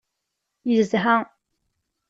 Yezha.